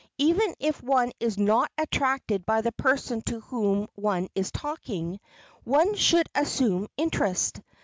Even if one is not attracted by the person to whom one is talking, one should assume interest.